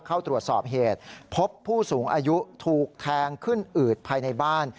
เข้าตรวจสอบเหตุพบผู้สูงอายุถูกแทงขึ้นอืดภายในบ้าน